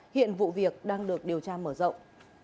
hiện vụ việc đang được điều tra mở rộng